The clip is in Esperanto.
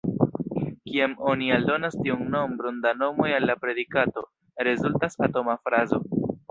Kiam oni aldonas tiun nombron da nomoj al la predikato, rezultas atoma frazo.